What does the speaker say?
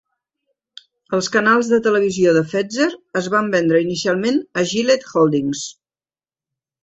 Els canals de televisió de Fetzer es van vendre inicialment a Gillett Holdings.